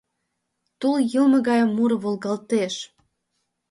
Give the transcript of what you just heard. Тулйылме гае муро волгалтеш.